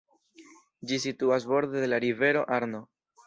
Ĝi situas borde de la rivero Arno.